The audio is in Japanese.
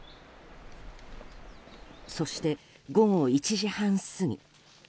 そして午後１時半過ぎ。